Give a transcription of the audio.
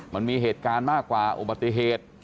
มันมีเหตุการณ์มากกว่าอุบัติเหตุ